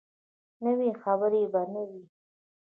نوي خبرې به نه وي.